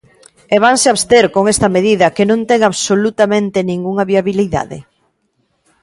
¿E vanse abster con esta medida que non ten absolutamente ningunha viabilidade?